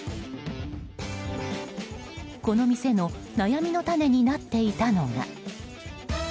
この店の悩みの種になっていたのが。